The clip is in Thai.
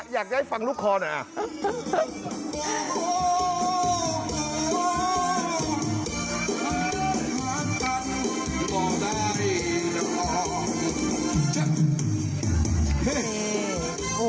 อยากให้ฟังลูกคอหน่อย